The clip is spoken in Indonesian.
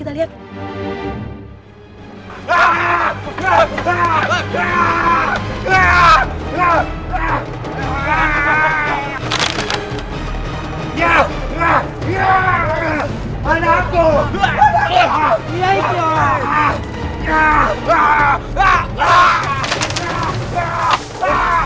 masih belum berbentuk